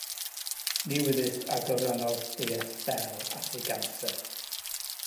Ni wyddys a gyfrannodd diet Bell at ei ganser.